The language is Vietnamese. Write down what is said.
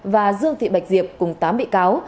và dương thị bạch diệp cùng tám bị cáo